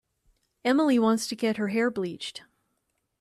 Emily wants to get her hair bleached.